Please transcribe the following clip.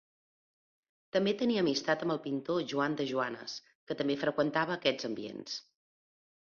També tenia amistat amb el pintor Joan de Joanes, que també freqüentava aquests ambients.